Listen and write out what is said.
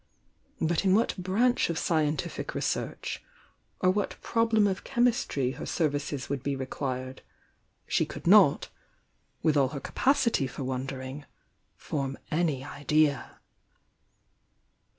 But in what branch of scientific research, or what problem of chemistry hor services would be requiret^ she could not, with all her capacity for wondering, form any idea.